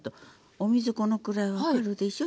お水このくらい分かるでしょ？